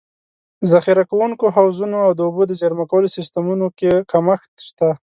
ذخیره کوونکو حوضونو او د اوبو د زېرمه کولو سیستمونو کمښت شته.